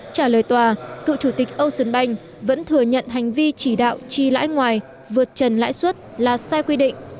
trả lời tòa cựu chủ tịch ocean bank vẫn thừa nhận hành vi chỉ đạo chi lãi ngoài vượt trần lãi suất là sai quy định